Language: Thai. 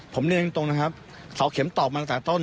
ผมเรียนตรงนะครับเสาเข็มตอบมาตั้งแต่ต้น